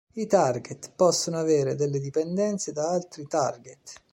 I "target" possono avere delle dipendenze da altri "target".